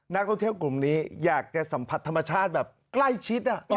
นักท่องเที่ยวกลุ่มนี้อยากจะสัมผัสธรรมชาติแบบใกล้ชิด